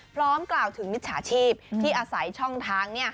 พร้อมกล่าวถึงมิจฉาชีพที่อาศัยช่องทาง